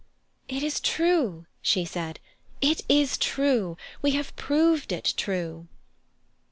"It is true," she said, "it is true! We have proved it true!"